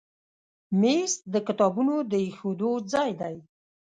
مېز د کتابونو د ایښودو ځای دی.